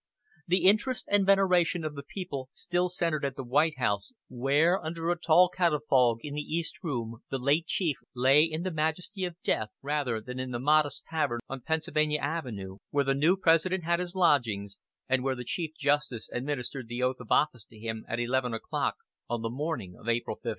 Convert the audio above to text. The interest and veneration of the people still centered at the White House, where, under a tall catafalque in the East Room the late chief lay in the majesty of death, rather than in the modest tavern on Pennsylvania Avenue, where the new President had his lodgings, and where the Chief Justice administered the oath of office to him at eleven o'clock on the morning of April 15.